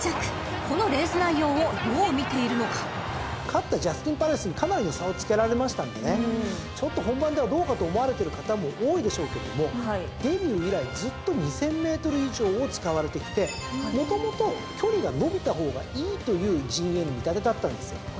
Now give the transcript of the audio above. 勝ったジャスティンパレスにかなりの差をつけられましたんでねちょっと本番ではどうかと思われてる方も多いでしょうけれどもデビュー以来ずっと２，０００ｍ以上を使われてきてもともと距離が延びた方がいいという陣営の見立てだったんですよ。